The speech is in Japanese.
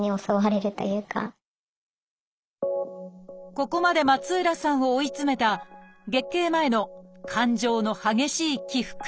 ここまで松浦さんを追い詰めた月経前の感情の激しい起伏。